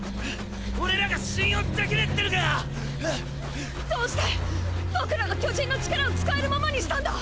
俺らが信用できねぇってのか⁉どうして僕らが巨人の力を使えるままにしたんだ